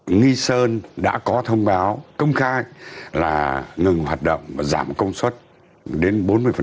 nghi sơn đã có thông báo công khai là ngừng hoạt động và giảm công suất đến bốn mươi